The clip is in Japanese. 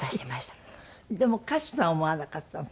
でも歌手とは思わなかったの？